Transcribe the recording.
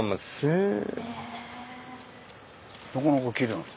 へえ。